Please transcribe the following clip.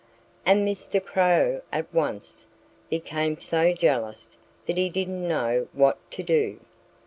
And Mr. Crow at once became so jealous that he didn't know what to do.